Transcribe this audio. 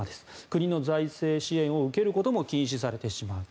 国の財政支援を受けることも禁止されてしまう。